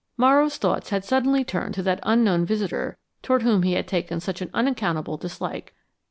Morrow's thoughts had suddenly turned to that unknown visitor toward whom he had taken such an unaccountable dislike.